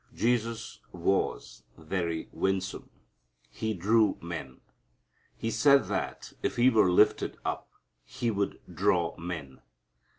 Jesus was very winsome. He drew men. He said that if He were lifted up He would draw men.